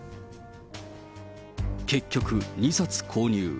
結局、２冊購入。